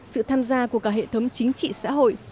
sự tham gia của cả hệ thống chính trị xã hội